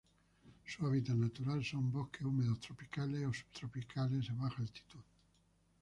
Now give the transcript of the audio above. Su hábitat natural son bosques húmedos tropicales o subtropicales a baja altitud.